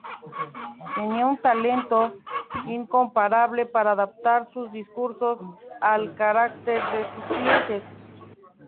Tenía un talento incomparable para adaptar sus discursos al carácter de sus clientes.